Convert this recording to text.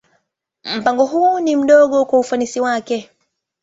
Mpango huo ni mdogo kwa ufanisi wake.